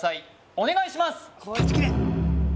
お願いします